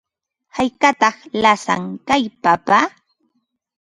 ¿Haykataq lasan kay papa?